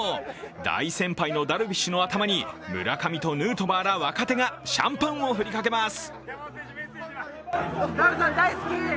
大先輩のダルビッシュの頭に村上とヌートバーら若手がシャンパンを振りかけます。